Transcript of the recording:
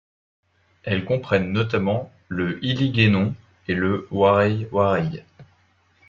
Elles comprennent notamment le hiligaïnon et le waray-waray.